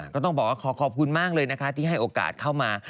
ก็ต้องบอกว่าขอขอบคุณมากเลยนะคะที่ให้โอกาสเข้ามา